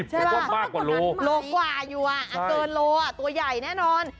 เฮ้ยมันกว่ามากกว่าลูกใช่ป่ะลูกกว่าอยู่อันเกินลูกตัวใหญ่แน่นอน